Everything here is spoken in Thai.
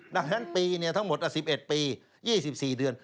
ดังนั้นปีทั้งหมด๑๑ปี๒๔เดือน